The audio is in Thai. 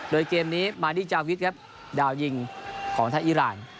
โดยเกมนี้มาดีเจ้าวิทครับเดายิงของไทยอิร่าน